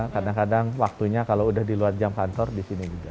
kadang kadang waktunya kalau udah di luar jam kantor di sini juga